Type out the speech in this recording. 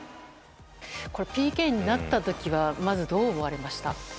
ＰＫになった時はまず、どう思われました？